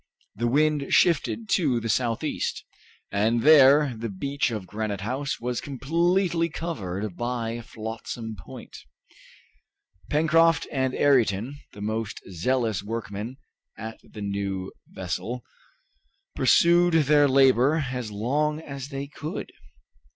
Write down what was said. The wind shifted to the southeast, and there the beach of Granite House was completely covered by Flotsam Point. Pencroft and Ayrton, the most zealous workmen at the new vessel, pursued their labor as long as they could.